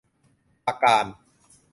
ประการ